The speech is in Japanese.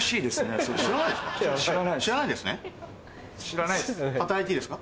知らないです。